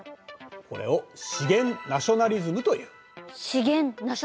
これを資源ナショナリズム。